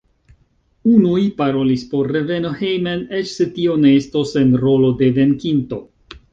Unuj parolis por reveno hejmen eĉ se tio ne estos en rolo de venkinto.